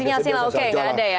sinyal sinyal oke nggak ada ya